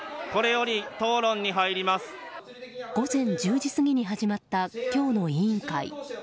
午前１０時過ぎに始まった今日の委員会。